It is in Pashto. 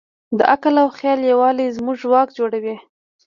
د عقل او خیال یووالی زموږ ځواک جوړوي.